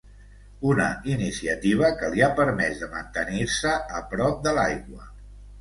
Una iniciativa que li ha permès de mantenir-se a prop de l’aigua.